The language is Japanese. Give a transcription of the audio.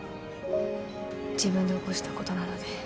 自分で起こしたことなので。